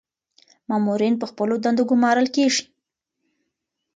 مامورین په خپلو دندو ګمارل کیږي.